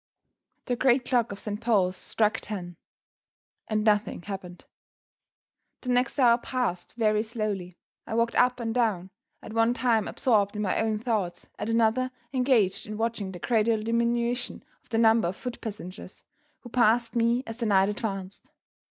The great clock of Saint Paul's struck ten and nothing happened. The next hour passed very slowly. I walked up and down; at one time absorbed in my own thoughts; at another, engaged in watching the gradual diminution in the number of foot passengers who passed me as the night advanced.